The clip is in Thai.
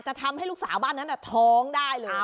ทำให้ลูกสาวบ้านนั้นท้องได้เลย